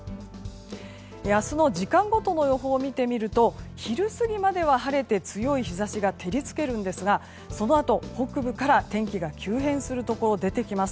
明日の時間ごとの予報を見てみると昼過ぎまでは晴れて強い日差しが照り付けるんですがそのあと北部から天気が急変するところが出てきます。